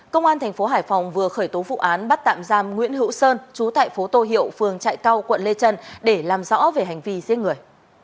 công an thành phố hải phòng vừa khởi tố vụ án bắt tạm giam nguyễn hữu sơn trú tại phố tô hiệu phường trại cao quận lê trân để làm rõ về hành vi giết người